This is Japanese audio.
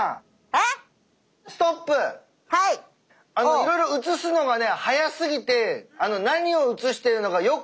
いろいろ映すのがね速すぎて何を映してるのかよく見えないのよ。